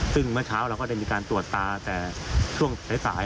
ซึ่งเมื่อเช้าเราก็ได้มีการตรวจตาแต่ช่วงสาย